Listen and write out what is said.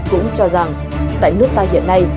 cũng cho rằng tại nước ta hiện nay